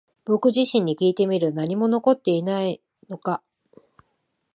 僕自身にきいてみる。何も残っていないのか？